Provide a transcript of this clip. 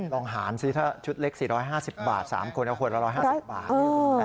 ลองหารสิถ้าชุดเล็ก๔๕๐บาท๓คนหรือคนละ๑๕๐บาท